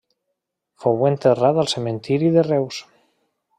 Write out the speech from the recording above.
Fou enterrat al cementiri de Reus.